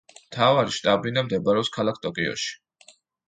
მთავარი შტაბ-ბინა მდებარეობს ქალაქ ტოკიოში.